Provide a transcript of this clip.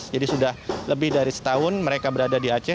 jadi sudah lebih dari setahun mereka berada di aceh